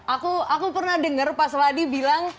oke aku pernah dengar pak sladi bilang